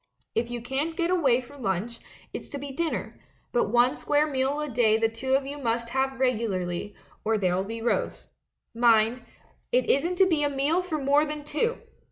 If you can't get away for lunch, it's to be dinner; but one square meal a day the two of you must have regularly, or there'll be rows. Mind, it isn't to be a meal for more than two!"